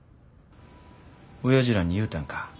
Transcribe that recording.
おやじらに言うたんか